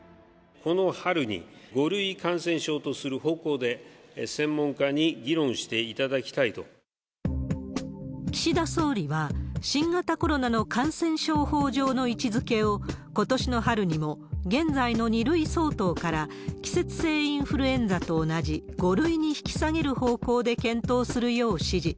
この春に５類感染症とする方向で専門家に議論していただきた岸田総理は、新型コロナの感染症法上の位置づけを、ことしの春にも現在の２類相当から、季節性インフルエンザと同じ５類に引き下げる方向で検討するよう指示。